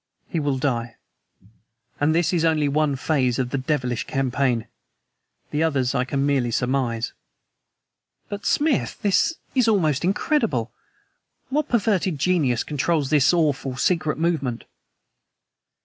He will die. And this is only one phase of the devilish campaign. The others I can merely surmise." "But, Smith, this is almost incredible! What perverted genius controls this awful secret movement?"